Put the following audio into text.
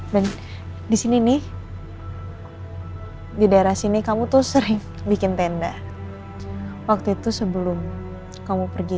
dan disini nih di daerah sini kamu tuh sering bikin tenda waktu itu sebelum kamu pergi